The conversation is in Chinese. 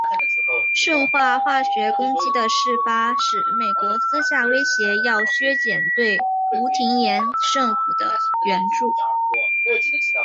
顺化化学攻击的事发使美国私下威胁要削减对吴廷琰政府的援助。